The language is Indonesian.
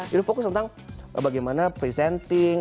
ya udah fokus tentang bagaimana presenting